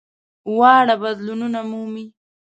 واړه بدلونونه مومي.